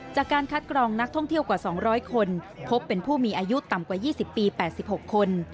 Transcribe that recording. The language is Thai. จากการคัดกรองนักท่องเที่ยวกว่า๒๐๐คนพบเป็นผู้มีอายุต่ำกว่า๒๐ปี๘๖คน